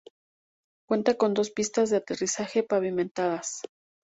Cuenta con dos pistas de aterrizaje pavimentadas:.